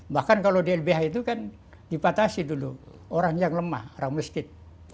bahkan kalau di lbh itu kan dipatasi dulu orang yang lemah orang miskin